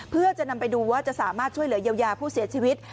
เพื่อจะนำไปดูว่าจะสามารถช่วยเหลือเยียวยาผู้เสียชีวิต